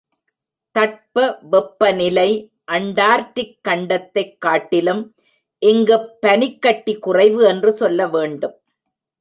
தட்ப வெப்பநிலை அண்டார்டிக் கண்டத்தைக் காட்டிலும் இங்குப் பனிக்கட்டி குறைவு என்று சொல்ல வேண்டும்.